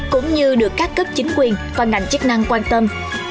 cũng như được các cấp chính quyền và ngành chức năng quan tâm